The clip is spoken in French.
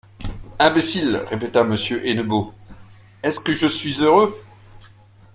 Imbéciles! répéta Monsieur Hennebeau, est-ce que je suis heureux?